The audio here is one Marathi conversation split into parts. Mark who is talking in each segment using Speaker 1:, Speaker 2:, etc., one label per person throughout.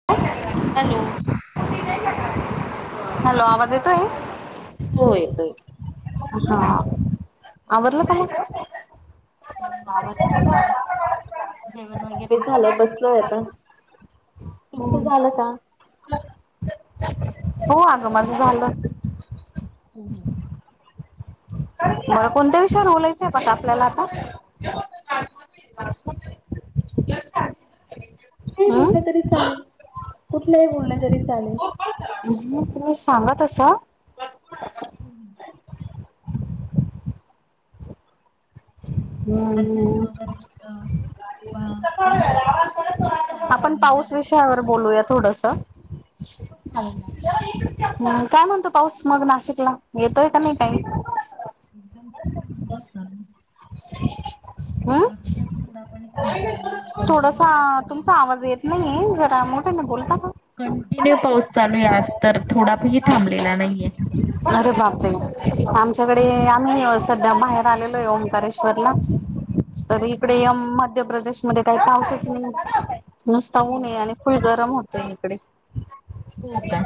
Speaker 1: [inaudible]
Speaker 2: हॅलो
Speaker 1: हॅलो, आवाज येतोय?
Speaker 2: हो, येतोय.
Speaker 1: हां, आवरलं का मग?
Speaker 2: आवरलं आता, जेवण वगैरे झालं, बसलोय आता. तुमचं
Speaker 1: हम्,
Speaker 2: झालं का?
Speaker 1: हो अगं माझ झालं.
Speaker 2: हो हो
Speaker 1: मग कोणत्या विषयावर बोलायचय बट आपल्याला आता. [unintelligible]
Speaker 2: [inaudible] तरी चालेल, कुठलंही बोललं तरी चालेल.
Speaker 1: तुम्ही सांगा तसं
Speaker 2: हम्
Speaker 1: हम्म
Speaker 2: अध्यात्म वर कसं
Speaker 1: आपण
Speaker 2: सार्वजनिक
Speaker 1: पाऊस विषयावर बोलूया
Speaker 2: जगातली
Speaker 1: थोडसं. [inaudible] मंग, काय म्हणतो पाऊस मग नाशिकला, येतोय काय नाही काही
Speaker 2: [unintelligible] आज
Speaker 1: हम्म
Speaker 2: तर थोडा पण थांबलेला नाही, कंटिन्यू पाऊस चालूए
Speaker 1: नाहीय, जरा मोठ्यानं बोलता का?
Speaker 2: कंटिन्यू पाऊस चालू आहे, आज तर थोडासाही थांबलेला नाहीये.
Speaker 1: अरे बापरे, आमच्याकडे
Speaker 2: हो
Speaker 1: आम्ही असं सध्या बाहेर आलेलो आहे, ओंकारेश्वर ला. तरी
Speaker 2: अच्छा
Speaker 1: इकडे या म -मध्य प्रदेश मध्ये काही पाऊसच नाही. नुसता
Speaker 2: हो
Speaker 1: ऊन ये
Speaker 2: हो.
Speaker 1: आणि फुल गरम होतयं इकडे.
Speaker 2: हो का,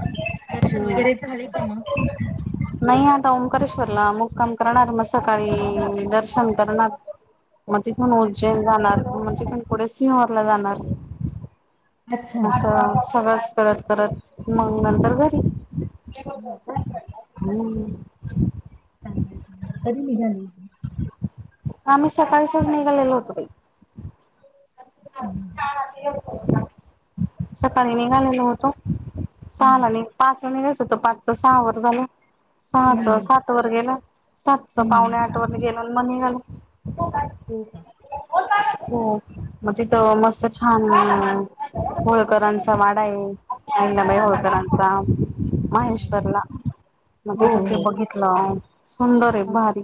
Speaker 2: दर्शन
Speaker 1: हम्म
Speaker 2: वगैरे झाले का मग?
Speaker 1: नाही आता ओंकारेश्वरला मुक्काम करणार मग सकाळी दर्शन करणार. म तिथून उज्जैन
Speaker 2: अच्छा.
Speaker 1: जाणार, मग तिथून पुढे सिहोर ला जाणार.
Speaker 2: अच्छा.
Speaker 1: असं सगळंच करत -करत मग नंतर घरी.
Speaker 2: हो का
Speaker 1: हम्म,
Speaker 2: चांगलंय-चांगलं- कधी निघाली?
Speaker 1: आम्ही सकाळीसच निघालेलो होतो बाई.
Speaker 2: हम्म,
Speaker 1: सकाळी निघालेलो होतो, सहाला
Speaker 2: हम्म.
Speaker 1: निघ पाच ला निघायचं होतं, पाच च सहा वर झाले. सहाच
Speaker 2: हम्म.
Speaker 1: सात वर गेलं, सातच पावणे
Speaker 2: हम्म.
Speaker 1: आठ वर गेलं म निघाले.
Speaker 2: हो का?
Speaker 1: हो म तिथं
Speaker 2: हम्म.
Speaker 1: मस्त छान होळकरांचा वाडा आहे. अहिल्याबाई होळकरांचा,
Speaker 2: हम्म.
Speaker 1: महेश्वररला. मग
Speaker 2: हो,
Speaker 1: तिथं ते
Speaker 2: हो.
Speaker 1: बघितलं, सुंदर ये भारी.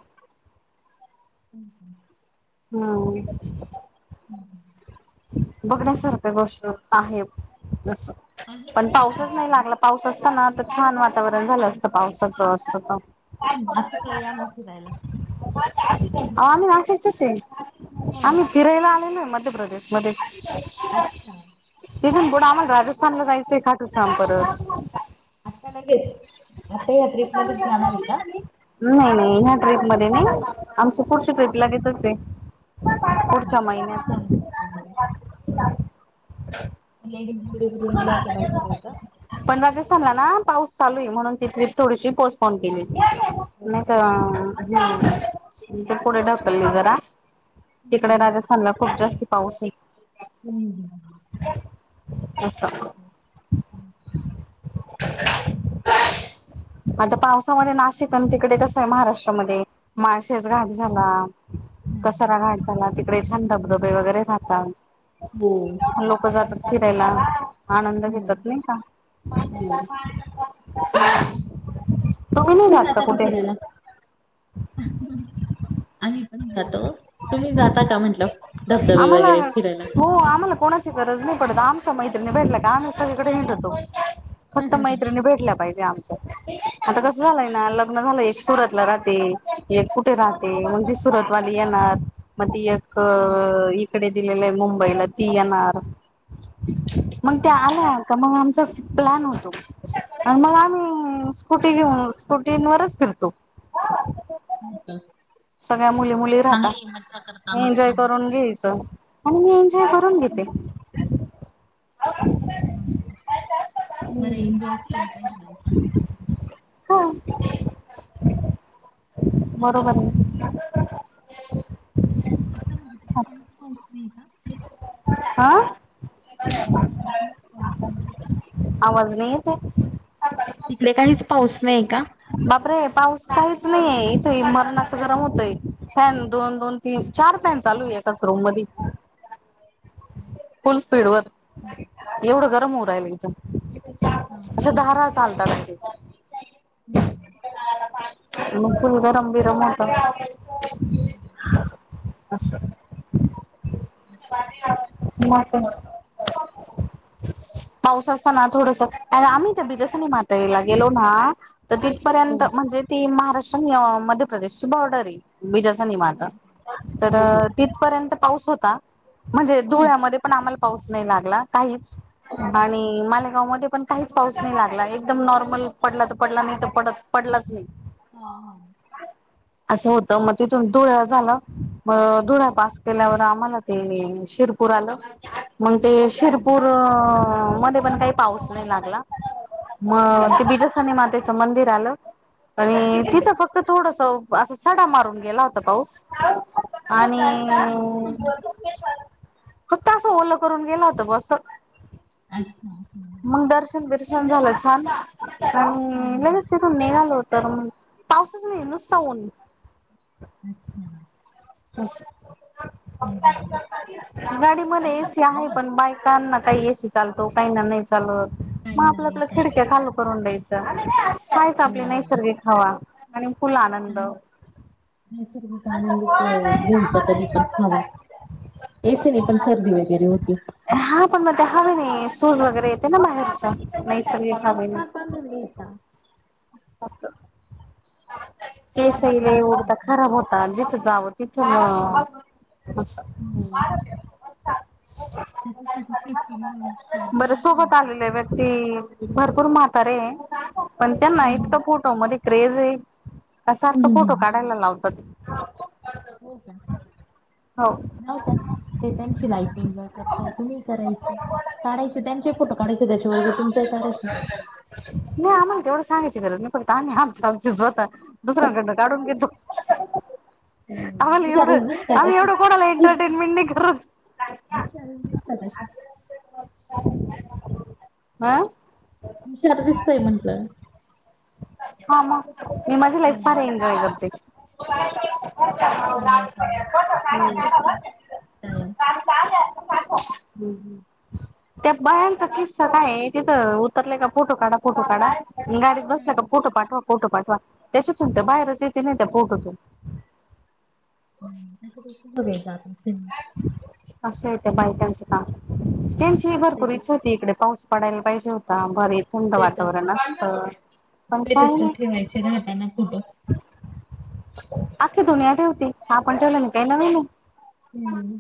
Speaker 2: हम् हम,
Speaker 1: हम्,
Speaker 2: हम् ह,
Speaker 1: बघण्या सारख्या गोष्ट आहे असं
Speaker 2: अजून
Speaker 1: पण
Speaker 2: काय काय आहे
Speaker 1: पाऊसच नाही
Speaker 2: तिकडे?
Speaker 1: लागला, पाऊस असता ना तर छान वातावरण झालं असतं पावसाचं असतं त.
Speaker 2: नाशिकला या मग फिरायला. हो
Speaker 1: आम्ही नाशिकच्याच ये आम्ही
Speaker 2: ना?
Speaker 1: फिरायला आलेलोय मध्यप्रदेश मध्ये.
Speaker 2: अच्छा,
Speaker 1: तिथून पुढं आम्हाला राजस्थानला जायचं ये खाटुश्याम परत
Speaker 2: आत्ता लगेच, आत्ता ह्या ट्रीप मध्येच जाणार आहे का?
Speaker 1: नाही -नाही ह्या ट्रीप मध्ये नाही, आमची पुढची ट्रिप लागेचच ये.
Speaker 2: अच्छा, चांगलय- चांगलय. लेडीज- लेडीज ण्या [unintelligible] त्यांच्या बायका- बायका
Speaker 1: पण राजस्थानला ना पाऊस चालू आहे, म्हणून ती ट्रिप थोडीशी पोस्टपोन केली. नाही त
Speaker 2: अच्छा.
Speaker 1: अं ती पुढे ढकलली जरा
Speaker 2: हं,
Speaker 1: तिकडे राजस्थानला खूप जास्ती पाऊस ये.
Speaker 2: हम् हं,
Speaker 1: आसं
Speaker 2: ह [unintelligible]
Speaker 1: [inaudible] आता पावसा मध्ये नाशिक आन् तिकडे कसं ये महाराष्ट्रामध्ये माळशेज घाट झाला
Speaker 2: हं.
Speaker 1: कसरा घाट झाला, तिकडे छान धब-धबे वगैरे राहतात.
Speaker 2: हो
Speaker 1: लोक जातात फिरायला. आनंद
Speaker 2: हं,
Speaker 1: घेतात नाही का. [inaudible]
Speaker 2: हो. तुम्ही
Speaker 1: जात
Speaker 2: जाता का
Speaker 1: कुठे
Speaker 2: फिरायला. आम्ही पण जातो. तुम्ही का म्हटल धबधबे
Speaker 1: आम्हाला
Speaker 2: वगैरे फिरायला.
Speaker 1: हो आम्हाला कोणाची गरज नाही पडत. आमच्या मैत्रणी भेटल्या का आम्ही सगळीकडे हिंडतो. फक्त मैत्रणी भेटल्या पाहिजे. आता
Speaker 2: हो
Speaker 1: कस
Speaker 2: का?
Speaker 1: झालय ना लग्न झालय. एक सुरातला राहते. एक कुठे राहते. मग दिस सुरतवाली येणार. मग ती एक
Speaker 2: हं,
Speaker 1: इकडे दिलेल आहे मुंबईला. ती येणार. मग
Speaker 2: हं, हं,
Speaker 1: त्या आल्या
Speaker 2: हं,
Speaker 1: का मग आमचा प्लॅन होतो. मग आम्ही स्कूटी
Speaker 2: हं.
Speaker 1: घेऊन स्कुटींवरच फिरतो.
Speaker 2: हो का
Speaker 1: सगळ्या मुली मुली राहता.
Speaker 2: चांगली मज्जा करता मस्त
Speaker 1: एन्जॉय
Speaker 2: मग.
Speaker 1: करून घ्यायच. आणि मी एन्जॉय करून घेते.
Speaker 2: हं, चांगलंय. बरं
Speaker 1: हम्म
Speaker 2: एन्जॉयच केली पाहिजे लाईफ.
Speaker 1: काय,
Speaker 2: हं.
Speaker 1: बरोबर आहे. [unintelligible]
Speaker 2: आता म्हणजे तिकडे काहीच पाऊस नाही का?
Speaker 1: आ
Speaker 2: आमच्या तिकडे काहीच पाऊस नाहीये.
Speaker 1: आवाज नाही येतये.
Speaker 2: तिकडे काहीच पाउस नाहीय का?
Speaker 1: बापरे पाऊस काहीच नाहीये इथे. मरणाच गरम होतय. फॅन दोन, दोन, तीन, चार फॅन चालू आहे एकाच रूममधी.
Speaker 2: हम्म
Speaker 1: फुल स्पीड वर, एवढ गरम होऊ राहिल इथ.
Speaker 2: हां,
Speaker 1: अस
Speaker 2: हां.
Speaker 1: धारा चाल [unintelligible]
Speaker 2: हम्म
Speaker 1: मग फुल गरम बिरम होत.
Speaker 2: हम्म
Speaker 1: अस [unintelligible] पाऊस असताना थोडस, आणि आम्ही त्या बिजासनी माताईला गेलो ना तर
Speaker 2: हो.
Speaker 1: तिथपर्यंत, म्हणजे ती महाराष्ट्र आणि मध्य प्रदेशची बॉर्डर आहे. बीजासनी माता.
Speaker 2: हो,
Speaker 1: तर
Speaker 2: हो, हो.
Speaker 1: तिथपर्यंत पाऊस होता. म्हणजे
Speaker 2: हं,
Speaker 1: धुळ्यामध्ये पण आम्हाला पाऊस नाही लागला काहीच.
Speaker 2: हं.
Speaker 1: आणि मालेगाव मध्ये पण काहीच पाऊस नाही लागला. एकदम नॉर्मल पडला तर पडला नाही तर पडत पडलाच नाही.
Speaker 2: हा हा
Speaker 1: अस होत. मग तिथून धुळ झाल. म धुळा पास केल्यावर आम्हाला ते शिरपूर आल. मग ते शिरपूर
Speaker 2: हं,
Speaker 1: मध्ये पण काही पाऊस नाही लागला. मग ते
Speaker 2: हं,
Speaker 1: बीजसनी मातेच मंदिर आल. आणि तिथ
Speaker 2: हं.
Speaker 1: फक्त थोडस असा सडा मारून गेला होता पाऊस. आणि अ
Speaker 2: चला आता संपला की
Speaker 1: फक्त अस ओल करून गेला होता बवा अस.
Speaker 2: अच्छा. हं.
Speaker 1: मग दर्शन बिरशन झाल छान.
Speaker 2: हां,
Speaker 1: आणि
Speaker 2: हां, हां.
Speaker 1: लगेच निघालो तर मग पाऊसच नाही नुसता ऊन.
Speaker 2: अच्छा हं, हं.
Speaker 1: गांडी मध्यें एसी आहे पणं बाईक कांना कांहीं एसी चालतो कांहींना नाहीं चालतं
Speaker 2: काही
Speaker 1: मंग
Speaker 2: ना
Speaker 1: आपल्यां
Speaker 2: नाही
Speaker 1: आपल्यां
Speaker 2: चालत.
Speaker 1: खिडक्यां
Speaker 2: हो,
Speaker 1: चालूं करूंन द्यायचं वरचं
Speaker 2: हो,
Speaker 1: आपली
Speaker 2: हो.
Speaker 1: नैसर्गिक हवां आणि फुलं आनंद
Speaker 2: निसर्ग आनंदीचं नेचां कधीं पणं हवां येसं नाहीं पणं सर्दी वगैरें होती
Speaker 1: हां पणं मंग ते हवे नाहीं शूंज वगैरें येते नां बाहेरचं नैसर्गिक हवेने
Speaker 2: पंधरा मिनिटां लीता
Speaker 1: असं
Speaker 2: स्कार्फ
Speaker 1: केसयले
Speaker 2: बांधून
Speaker 1: ऊडतां
Speaker 2: घ्यायचा.
Speaker 1: खरांब होतं जिथं जावं तिथं मं असं
Speaker 2: हो. त्याच्यासाठी सेफ्टी म्हणून स्कार्फ
Speaker 1: बरं
Speaker 2: बांधून
Speaker 1: सोबतं
Speaker 2: घ्यायचा.
Speaker 1: आलेलं व्यक्ती भरंपूर म्हातारे आहेतं पणं त्यांना
Speaker 2: हं,
Speaker 1: इतकं
Speaker 2: हं.
Speaker 1: फोटोमध्यें ईकडे येरे
Speaker 2: हं,
Speaker 1: सांरख
Speaker 2: हं,
Speaker 1: फोटो काढांयला लावतांत
Speaker 2: येनां नव्हतं ते त्यांची लाईफ एन्जॉय करतेय तुम्हीं करायची काढांयचे त्यांचे फोटो काढांयचे त्यांच्याबरोबर तुमंही कढांयचं
Speaker 1: नाहीं आम्हांला तेवढं सांगायचं गरजं नाहीं पडतं आम्हीं आमच्यां आमची स्वंतः दुसऱ्यांकडनं काढूंन घेतो
Speaker 2: हम्म,
Speaker 1: आम्हांला एवढं
Speaker 2: हुशारच दिसतात
Speaker 1: आम्हीं
Speaker 2: अशा.
Speaker 1: एवढं कोणांला एंटरटेनमेंट नाहीं करतं
Speaker 2: हुशारच दिसतात अशा.
Speaker 1: हां
Speaker 2: अं अर्धीचंय म्हंटलं
Speaker 1: हं मं मांजी लाईफ
Speaker 2: चांगलंय
Speaker 1: एंजॉय करते
Speaker 2: चांगलंय चांगलंय असंच रहां कायंम
Speaker 1: तूं पाठव हम्मं त्यां बयायांचा किस्सां कायं आहे तिथं उतरलांय कां फोटो काढां फोटो काढां गांडीत बसल्यां
Speaker 2: हम्म.
Speaker 1: कां फोटो पाठवा फोटो पाठवा त्यांच्यातून त्यां बाहेरचं येते नाहीं त्यां फोटोतूंन
Speaker 2: त्यांच्या हवे
Speaker 1: असं आहे त्यांया बायकांचं कामं त्यांची भरंपूर ईच्छा होती इकडे पाऊस पडांयला पाहिजे होतां भारी थंड वातांवरण असतं
Speaker 2: पेट असतो ठेवांयचे राहतांना फोटो
Speaker 1: आंख्खी दुनियां ठेवती हां आपणं ठेवलं तरं नं कायं नवीन आहे
Speaker 2: हम्मं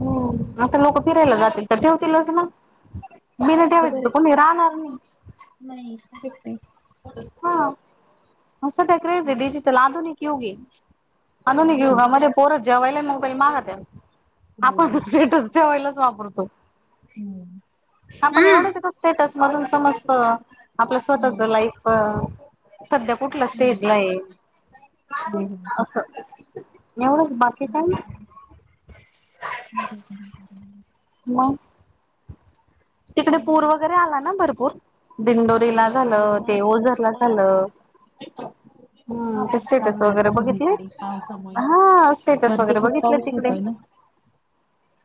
Speaker 1: हम्मं आंता लोकं फिरांयला जातील तरं ठेवतीलचं नां मगं बिनां ठेवायचं तरं कोणी राहणांर नाहीं
Speaker 2: नाहीं ईथ फिरत आहे
Speaker 1: हां संध्या क्रेज आहे
Speaker 2: हम्म.
Speaker 1: डिजिटंल आधुनिक युगी आधुनिक
Speaker 2: हो हो.
Speaker 1: युगां मध्यें पोरं जेवांयला मोबाईल मागं त्यां आपणंतो
Speaker 2: हो.
Speaker 1: स्टेटंस ठेवायलांच वापरतो
Speaker 2: हम्म.
Speaker 1: आपणं एवढंच
Speaker 2: ना.
Speaker 1: येतं स्टेटंस मरूंन समजतं आपलं स्वंतःचं
Speaker 2: हम्म.
Speaker 1: लाईफ संध्या कुंठला
Speaker 2: हम्म.
Speaker 1: स्टेजं लां येलं
Speaker 2: हो, हो.
Speaker 1: असं एवढंच माझं
Speaker 2: बरोबर बरोबर
Speaker 1: मंग तिकडे
Speaker 2: नाही
Speaker 1: पूरं वगैरें आंला नां भरंपूर दिंडोरीला झालं
Speaker 2: हो
Speaker 1: ते
Speaker 2: महापूर
Speaker 1: ओझर लां
Speaker 2: हा
Speaker 1: झालं हम्मं ते
Speaker 2: महापूर
Speaker 1: स्टेटंस
Speaker 2: चालू आहे आता
Speaker 1: वगैरें बघितले
Speaker 2: सगळीकडे पावसामुळे.
Speaker 1: हां स्टेटंस
Speaker 2: वरती
Speaker 1: वगैरें
Speaker 2: खूप
Speaker 1: बघितले
Speaker 2: पाऊस
Speaker 1: तिकडे
Speaker 2: होतोय ना.
Speaker 1: ह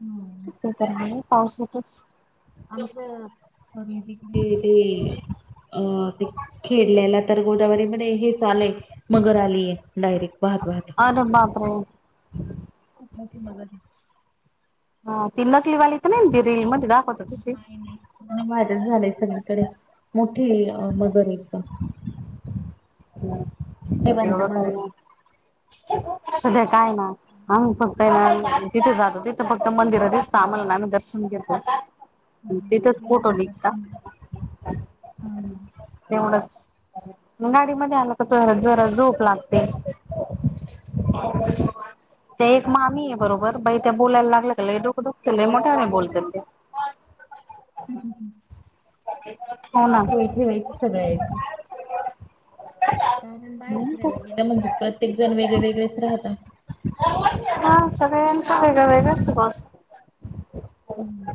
Speaker 2: हम्म.
Speaker 1: ते तर हाय पावसातच
Speaker 2: आमचं [unintelligible] ते अ ते खेळलेला तर गोदावरीमधे हेच आलंय मगर आलीय डायरेक्ट वाहत वाहत.
Speaker 1: अरे बाप रे.
Speaker 2: खूप मोठी मगरे.
Speaker 1: हा ती नकली वाली त नईन ती रील मध्ये दाखवत्
Speaker 2: नाय नई पुर्ण व्हायरल झालंय सगळीकडं मोठीे अं मगरे एकदम. जिवंत
Speaker 1: एवढं
Speaker 2: मगर.
Speaker 1: काय,
Speaker 2: आहे.
Speaker 1: सगळं काय ना. आम्ही फक्तय
Speaker 2: हम्म.
Speaker 1: ना जिथे जातो तिथे फक्त मंदिरं दिसता आम्हाला न आम्ही दर्शन घेतो. अन्
Speaker 2: हम्म.
Speaker 1: तीथंच फोटो
Speaker 2: हम्म.
Speaker 1: निघता.
Speaker 2: हम्म. हा हा.
Speaker 1: तेवढंच गाडीमध्ये आलं का तेवरा जरा झोप लाग ते. ते एक मामीये बरोबर बाई त्या बोलायला लागल्या का डोकं दुखतं लय मोठ्यानं बोलत्यात त्या.
Speaker 2: हम हम हम.
Speaker 1: हाव ना.
Speaker 2: सगळ्याची काय अजुन बाहेर फिरायला गेलं म्हणजे प्रत्येक जण वेगळे वेगळेच राहता.
Speaker 1: हां सगळ्यांचा वेगळा वेगळाच स्वभाव अस्
Speaker 2: हम्.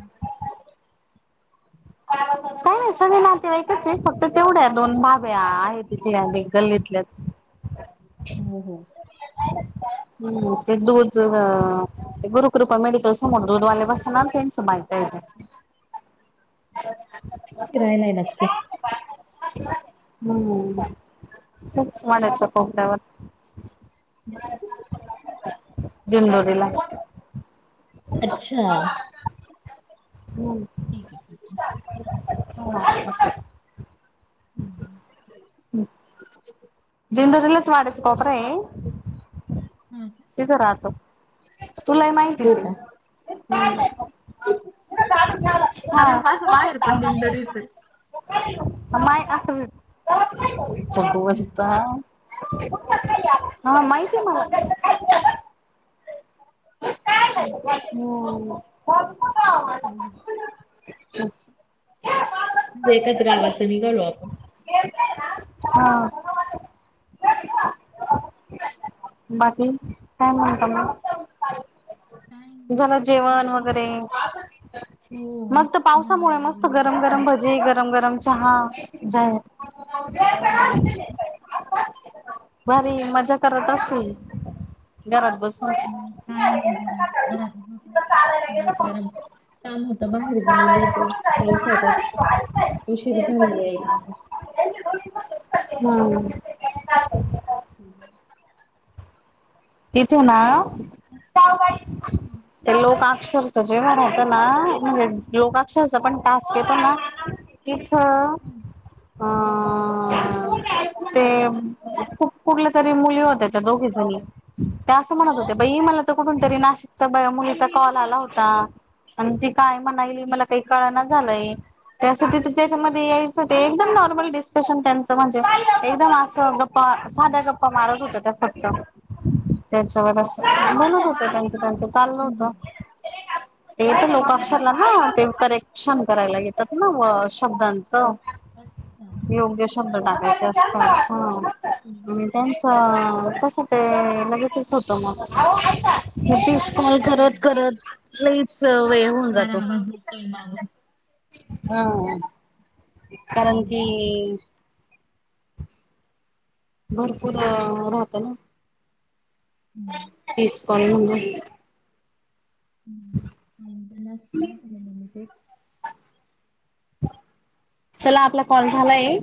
Speaker 1: [unintelligible] काय नाय सगळे नातेवाईकचेत फक्त तेवढ्या दोन भाभ्या आहेत ईथल्या देक गल्लीतल्याच. [inaudible]
Speaker 2: [unintelligible]
Speaker 1: हुं ते दुध व ते गुरकृपामधे ते समोर दूधवाले बसताना त्यांच्या बायकाय ते. [inaudible]
Speaker 2: तुम्ही कुठे राहिलाय नक्की?
Speaker 1: हुं. तेच वाण्याच्या कोपर्यावर
Speaker 2: [unintelligible]
Speaker 1: दिंडोरीला.
Speaker 2: अच्छा.
Speaker 1: हम्.
Speaker 2: ठीके ठीके.
Speaker 1: [inaudible]
Speaker 2: ऊं हुं.
Speaker 1: दिंडुरीलाच वाड्याचा कोपराये.
Speaker 2: हम् ह.
Speaker 1: तिथं राहतो, तुलाही माहितीय
Speaker 2: हो
Speaker 1: ते हं.
Speaker 2: का.
Speaker 1: हां.
Speaker 2: कारण माझं माहेर पण दिंडोरीच आहे.
Speaker 1: ओ माय [unintelligible] भगवंता. हा माहितीय मला.
Speaker 2: हम्म.
Speaker 1: हं.
Speaker 2: हम्म.
Speaker 1: असं.
Speaker 2: एकत्रावाचे निघालो आपण.
Speaker 1: हा [inaudible] बाकी, काय म्हणता मग?
Speaker 2: काय
Speaker 1: झाल
Speaker 2: नाही,
Speaker 1: जेवण
Speaker 2: ठीक आहे.
Speaker 1: वगैरे,
Speaker 2: हो
Speaker 1: मगत
Speaker 2: झालंय
Speaker 1: पावसामुळे मस्त
Speaker 2: जेवण
Speaker 1: गरम
Speaker 2: वगैरे सगळं.
Speaker 1: गरम भजी जी गरम -गरम चहा जाय
Speaker 2: हो हो.
Speaker 1: भारी मज्जा करत असतील घरात बसून
Speaker 2: [unintelligible] काम होता बाहेर गेलेलो होतो पावसातच, उशीर झाला यायला.
Speaker 1: हम्म.
Speaker 2: हम्.
Speaker 1: तिथे ना, ते लोक अक्षर जेव्हा राहतं ना म्हणजे लोक अक्षरच पण टास्क येतो ना [inaudible] तिथं ह.... ते खुप कुठल्या तरी मुली होत्या त्या दोघी जनी? त्या असं म्हणत होत्या बाई, मला तर कुठून तरी नाशिकच्या बाय मुलीचा कॉल आला होता. आणि ती काय म्हणायली, मला काही कळेना झालंय त्यासाठी त्याच्यामध्ये यायचं ते एकदम नॉर्मल डिस्कशन त्यांच म्हणजे एकदम असं प्पा साध्या गप्पा मारत होत्या त्या फक्त त्याच्यावर असं म्हणत होत्या, त्यांच त्यांचं चाललं होत. ते तर लोक अक्षरला ना ते करेक्शन करायला येतात ना व शब्दांचं
Speaker 2: अच्छा
Speaker 1: योग्य
Speaker 2: ठीक
Speaker 1: शब्द
Speaker 2: आहे.
Speaker 1: टाकायचे असतात ह आणि त्यां अ.. कसं ते लगेचच होतं मग हे तीस कॉल
Speaker 2: हो
Speaker 1: करत
Speaker 2: हो
Speaker 1: करत लईचं वेळ होऊन
Speaker 2: फार
Speaker 1: जातो.
Speaker 2: आवाज येतोय मागून.
Speaker 1: हा कारण की
Speaker 2: हम्म
Speaker 1: भरपूर राहत ना,
Speaker 2: हम्म.
Speaker 1: तीस कॅल म्हणजे
Speaker 2: हम् [unintelligible]
Speaker 1: चला आपला कॉल झालाय.